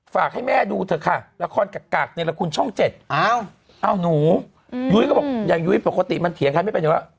ฝากให้แม่ดูเถอะค่ะละครกักเนรคุณช่องเจ็ดอ้าวหนูยุ้ยก็บอกอย่างยุ้ยปกติมันเถียงใครไม่เป็นอยู่แล้ว